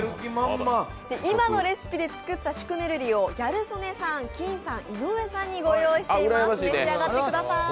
今のレシピで作ったシュクメルリをギャル曽根さん、きんさん、井上さんにご用意しています、召し上がってください。